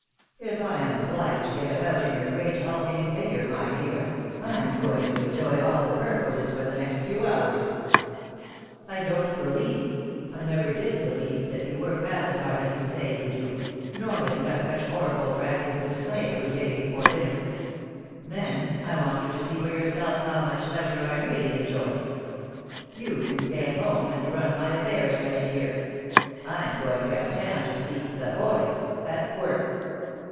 "If I'm obliged to get about in your great, hulking figure, my dear, I'm going to enjoy all the perquisites for the next few hours. I don't believe I never did believe that you work half as hard as you say you do, nor that you have such horrible dragons to slay every day before dinner. Then, I want you to see for yourself how much leisure I really enjoy. You can stay at home and run my affairs, Reggie, dear. I'm going down town to see 'the boys' at work!"